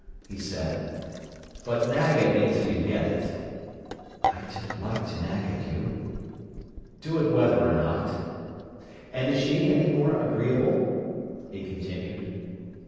he said. "But nag at me till you get it." "I don't like to nag at you." "Do it whether or not. And is she any more agreeable?" he continued.